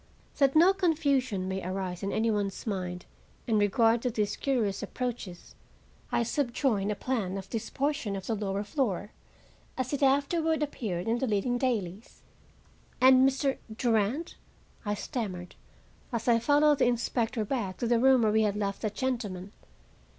That no confusion may arise in any one's mind in regard to these curious approaches, I subjoin a plan of this portion of the lower floor as it afterward appeared in the leading dailies. "And Mr. Durand?" I stammered, as I followed the inspector back to the room where we had left that gentleman.